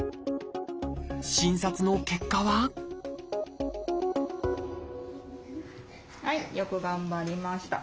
診察の結果ははいよく頑張りました。